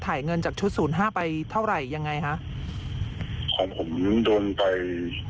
ถ่ายเงินจากชุดศูนย์ห้าไปเท่าไหร่ยังไงฮะของผมโดนไป